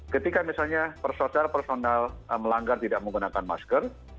ketika misalnya personal melanggar tidak menggunakan masker